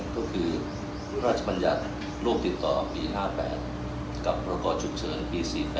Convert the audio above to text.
ก็คือพระราชบัญญัติโรคติดต่อปี๕๘กับพรกรฉุกเฉินปี๔๘